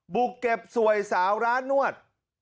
บุกเก็บสวยสาวร้านนวด